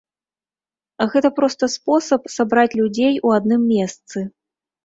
Гэта проста спосаб сабраць людзей у адным месцы.